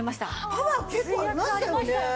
パワー結構ありましたよね。